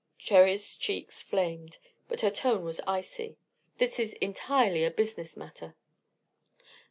Cherry's cheeks flamed, but her tone was icy. "This is entirely a business matter."